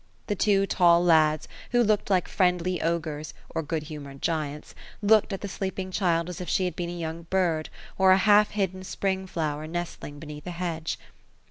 The two tall lads, who looked like friendly ogres, or good humoured giants, looked at the sleeping child, as if she had been a young bird, or a half hidden spring flower nestling beneath a hedge.